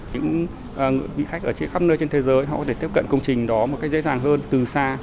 những vị khách ở khắp nơi trên thế giới họ có thể tiếp cận công trình đó một cách dễ dàng hơn từ xa